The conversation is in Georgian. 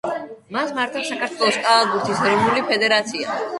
მას მართავს საქართველოს კალათბურთის ეროვნული ფედერაცია.